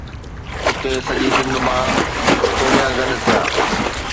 اتي سڄي سنڌ مان ڪوڏيا گڏ ٿيا.